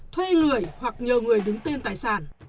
thuê người hoặc nhờ người đứng tên tài sản